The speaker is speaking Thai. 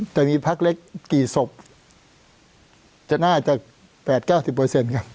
จะมีพักเล็กกี่ศพจะน่าจะแปดเก้าสิบเปอร์เซ็นต์ครับ